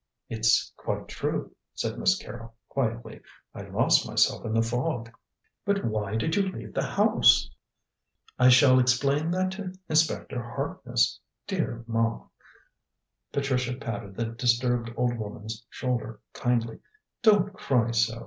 "It's quite true," said Miss Carrol quietly. "I lost myself in the fog." "But why did you leave the house?" "I shall explain that to Inspector Harkness. Dear Ma," Patricia patted the disturbed old woman's shoulder kindly, "don't cry so.